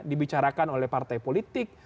dibicarakan oleh partai politik